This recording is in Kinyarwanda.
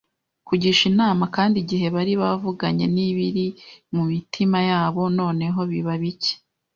kugisha inama; kandi igihe bari bavuganye nibiri mumitima yabo, noneho biba bike